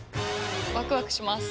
ワクワクします。